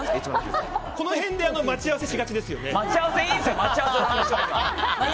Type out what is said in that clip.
この辺で待ち合わせしがちですよね。